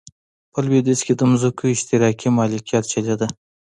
په لوېدیځ کې د ځمکو اشتراکي مالکیت چلېده.